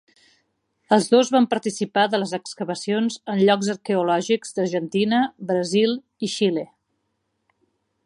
Els dos van participar de les excavacions en llocs arqueològics d'Argentina, Brasil i Xile.